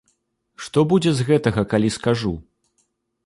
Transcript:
Што будзе з гэтага, калі скажу?